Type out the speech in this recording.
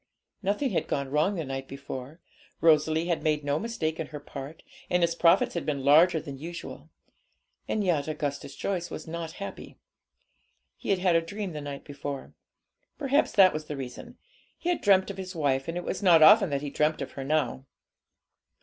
Nothing had gone wrong the night before; Rosalie had made no mistake in her part, and his profits had been larger than usual. And yet Augustus Joyce was not happy. He had had a dream the night before; perhaps that was the reason. He had dreamt of his wife; and it was not often that he dreamt of her now.